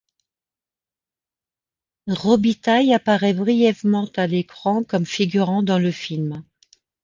Robitaille apparaît brièvement à l'écran comme figurant dans le film.